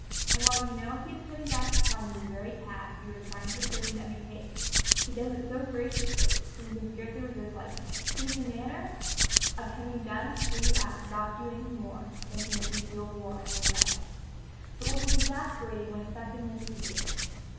And while you know he is putting back upon you the very task you are trying to persuade him to undertake, he does it so graciously that you can scarcely resist liking it. He has the manner of having done what you ask without actually doing more than to make you feel warm at having met him. It is a kind of elegant statecraft which has its point of grace, but which is exasperating when effectiveness is needed.